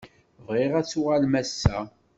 Bɣiɣ ad tuɣalem ass-a.